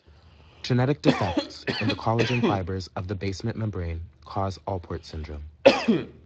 Genetic defects in the collagen fibers of the basement membrane cause Alport syndrome.